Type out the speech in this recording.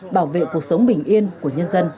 bảo vệ cuộc sống bình yên của nhân dân